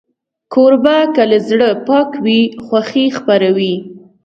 کوربه که له زړه پاک وي، خوښي خپروي.